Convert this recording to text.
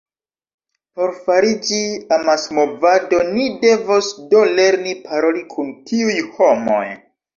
Por fariĝi amasmovado, ni devos do lerni paroli kun tiuj homoj.